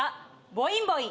ボインボイン！